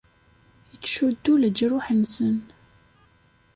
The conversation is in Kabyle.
Ittcuddu leǧruḥ-nsen.